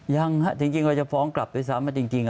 ยังฮะจริงเราจะฟ้องกลับด้วยซ้ำจริง